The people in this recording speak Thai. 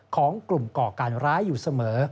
ของกลุ่มก่อการร้ายอยู่เสมอ